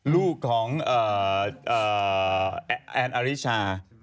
ลูกของแอนอริชา